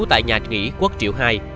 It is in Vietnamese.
tại nhà nghị quốc triệu hai